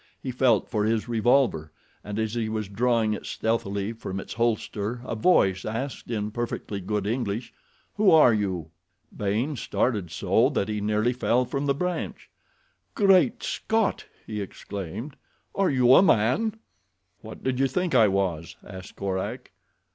He felt for his revolver, and as he was drawing it stealthily from its holster a voice asked in perfectly good English, "Who are you?" Baynes started so that he nearly fell from the branch. "My God!" he exclaimed. "Are you a man?" "What did you think I was?" asked Korak.